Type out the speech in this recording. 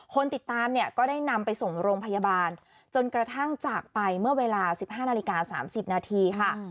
คนติดตามเนี่ยก็ได้นำไปส่งโรงพยาบาลจนกระทั่งจากไปเมื่อเวลา๑๕นาฬิกา๓๐นาทีค่ะ